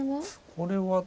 これは。